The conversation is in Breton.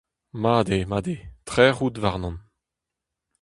Mat eo, mat eo, trec'h out warnon.